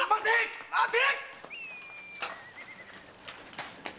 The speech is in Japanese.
待て！